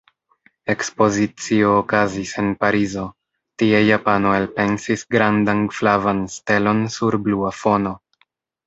Ekspozicio okazis en Parizo: tie japano elpensis grandan flavan stelon sur blua fono.